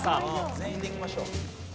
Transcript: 全員でいきましょう。